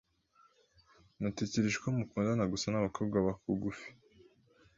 Natekereje ko mukundana gusa nabakobwa bakugufi.